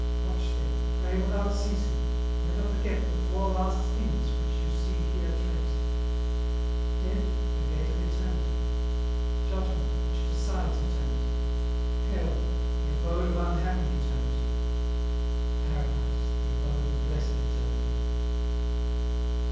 " Watch then, pray without ceasing, never forget the Four Last Things which you see here traced " Death, the gate of Eternity, Judgment, which decides Eternity, Hell, the abode of unhappy Eternity, Paradise, the abode of blessed Eternity."